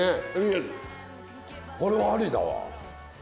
これはありだわ。